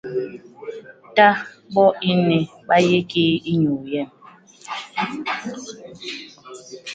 Ta bo ini ba yé kii inyu yem ?